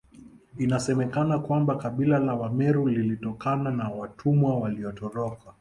Inasemekana kwamba kabila la Wameru lilitokana na watumwa waliotoroka